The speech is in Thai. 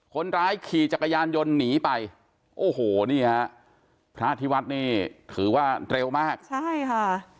คนร้ายขี่จักรยานยนต์หนีไปโอ้โหนี่ฮะพระที่วัดนี่ถือว่าเร็วมากใช่ค่ะ